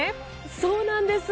そうなんです。